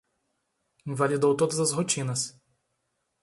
Invalidou todas as rotinas